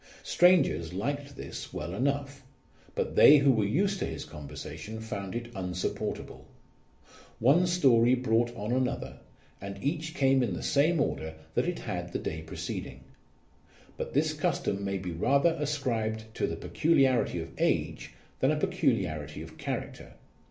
Strangers liked this well enough ; but they who were used to his conversation found it insupportable. One story brought on another, and each came in the same order that it had the day preceding. But this custom may be rather ascribed to the peculiarity of age, than a peculiarity of character.